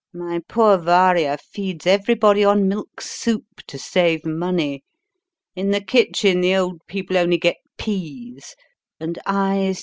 My poor Varya feeds everybody on milk soup to save money, in the kitchen the old people only get peas, and I spend recklessly.